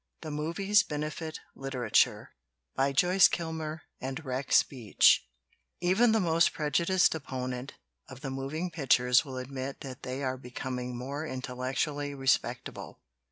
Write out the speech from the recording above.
THE "MOVIES" BENEFIT LITERATURE REX BEACH THE "MOVIES" BENEFIT LITERATURE REX BEACH EVEN the most prejudiced opponent of the moving pictures will admit that they are becoming more intellectually respectable.